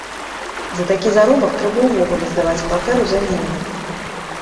За такі заробак трэба ўвогуле здаваць кватэру за мінімум.